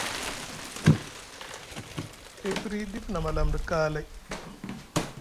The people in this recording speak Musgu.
E firyi ɗif ma maalam ɗa kaalay.